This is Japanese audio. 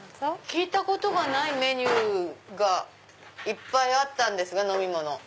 聞いたことがないメニューがいっぱいあったんですが飲み物。